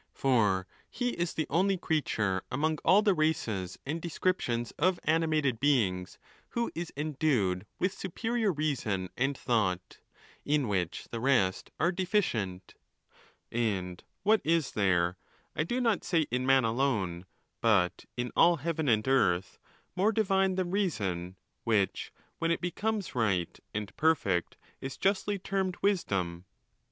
for he is the only creature among all the races and descriptions of animated beings who is endued with superior reason and thought, in which the rest are deficient. And what is there, I do not say in man alone, but in all heaven and earth, more divine than reason, which, when it becomes right and perfect, is justly termed wisdom ?